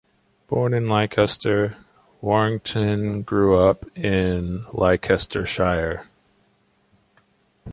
Born in Leicester, Warrington grew up in Leicestershire.